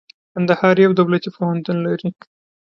کندهار يو دولتي پوهنتون لري.